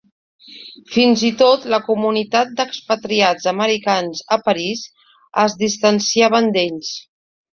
Fins i tot la comunitat d'expatriats americans a París es distanciaven d'ells.